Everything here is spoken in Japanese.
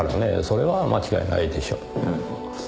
それは間違いないでしょう。